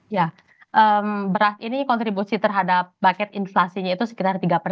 ya ini kontribusi terhadap bucket inflasinya itu sekitar tiga persen